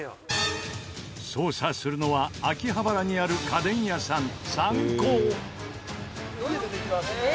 捜査するのは秋葉原にある家電屋さんサンコー。